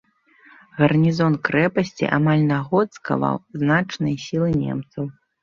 Гарнізон крэпасці амаль на год скаваў значныя сілы немцаў.